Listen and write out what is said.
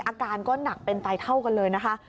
อาการก็หนักเป็นไตเท่ากันเลยนะคะ